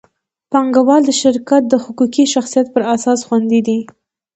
پانګهوال د شرکت د حقوقي شخصیت پر اساس خوندي دي.